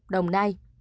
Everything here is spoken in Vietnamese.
bốn đồng nai